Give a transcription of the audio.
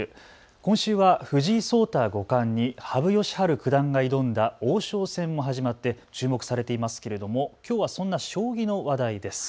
今週は藤井聡太五冠に羽生善治九段が挑んだ王将戦も始まって注目されていますけれどもきょうはそんな将棋の話題です。